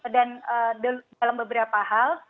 dan dalam beberapa hal